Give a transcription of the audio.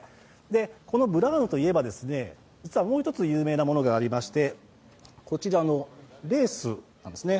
このブラーノといえば、実はもう一つ有名なものがありまして、こちらのレースなんですね。